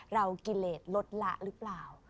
กิเลสลดละหรือเปล่า